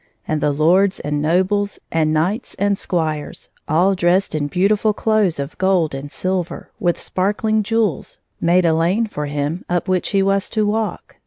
And the lords and nobles, and knights and squires, all dressed in beautifiil clothes of gold and silver, with sparkling jewels, made a lane for him up which he was to walk.